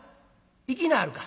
「行きなはるか」。